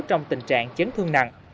trong tình trạng chấn thương nặng